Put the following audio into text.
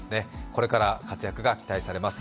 これから活躍が期待されます